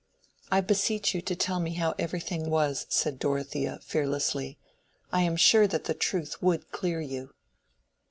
"I beseech you to tell me how everything was," said Dorothea, fearlessly. "I am sure that the truth would clear you."